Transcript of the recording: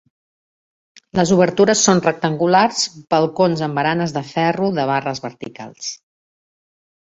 Les obertures són rectangulars, balcons amb baranes de ferro de barres verticals.